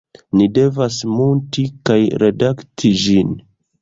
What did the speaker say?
Ni devas munti kaj redakti ĝin